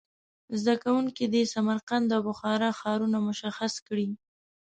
زده کوونکي دې سمرقند او بخارا ښارونه مشخص کړي.